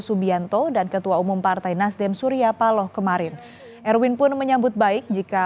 subianto dan ketua umum partai nasdem surya paloh kemarin erwin pun menyambut baik jika